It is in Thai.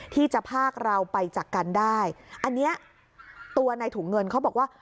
ที่จะพากเราไปจากกันได้อันเนี้ยตัวในถุงเงินเขาบอกว่า